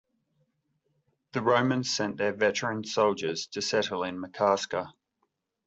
The Romans sent their veteran soldiers to settle in Makarska.